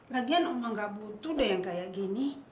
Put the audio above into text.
lagian uang gak butuh deh yang kayak gini